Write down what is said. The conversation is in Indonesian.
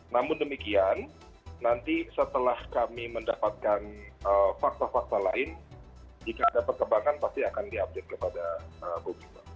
namun demikian nanti setelah kami mendapatkan fakta fakta lain jika ada perkembangan pasti akan diupdate kepada bu bima